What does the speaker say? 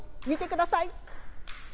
見てください。